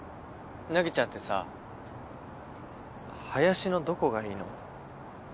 凪ちゃんてさ林のどこがいいの？